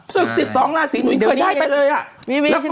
สึกสิบสองราศีหนูยังเคยได้ไปเลยอะ